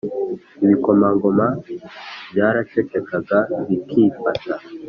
Ibikomangoma byaracecekaga bikifata